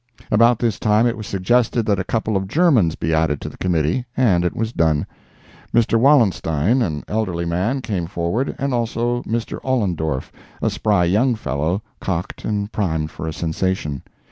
About this time it was suggested that a couple of Germans be added to the committee, and it was done. Mr. Wallenstein, an elderly man, came forward, and also Mr. Ollendorf, a spry young fellow, cocked and primed for a sensation.